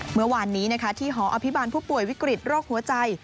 เมื่อวานนี้ที่หออภิบาลผู้ป่วยวิกฤตโรคหัวใจ